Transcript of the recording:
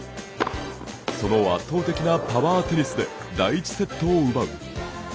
その圧倒的なパワーテニスで第１セットを奪う。